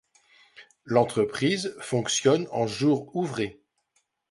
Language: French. L’entreprise fonctionne en jours ouvrés.